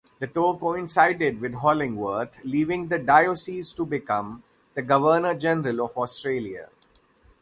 The tour coincided with Hollingworth leaving the diocese to become the Governor-General of Australia.